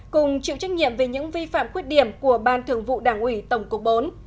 cùng chịu trách nhiệm về những vi phạm khuyết điểm của ban thường vụ đảng ủy tổng cục bốn